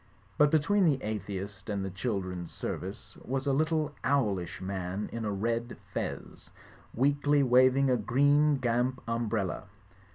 But between the atheist and the children's service was a little owlish man in a red fez, weakly waving a green gamp umbrella.